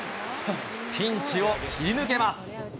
ピンチを切り抜けます。